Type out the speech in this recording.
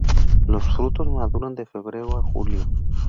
Los frutos maduran de febrero a julio.